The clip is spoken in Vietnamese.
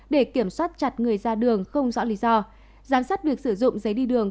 để kiểm soát chặt người ra đường không rõ lý do giám sát việc sử dụng giấy đi đường